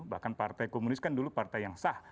bahkan partai komunis kan dulu partai yang sah